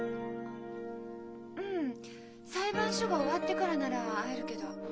うん裁判所が終わってからなら会えるけど。